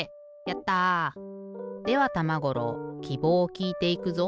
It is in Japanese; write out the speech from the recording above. やった！ではたまごろうきぼうをきいていくぞ。